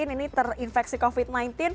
ini terinfeksi covid sembilan belas